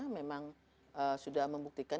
memang sudah membuktikan